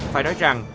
phải nói rằng